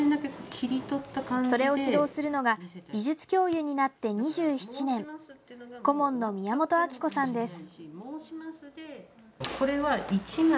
それを指導するのが美術教諭になって２７年顧問の宮本明子さんです。